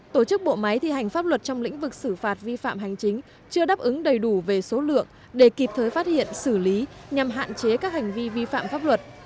tổ chức bộ máy thi hành pháp luật trong lĩnh vực xử phạt vi phạm hành chính chưa đáp ứng đầy đủ về số lượng để kịp thời phát hiện xử lý nhằm hạn chế các hành vi vi phạm pháp luật